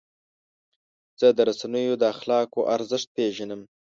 زه د رسنیو د اخلاقو ارزښت پیژنم.